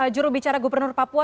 jurubicara gubernur papua